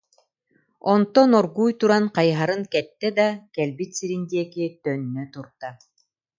Онтон оргууй туран хайыһарын кэттэ да кэлбит сирин диэки төннө турда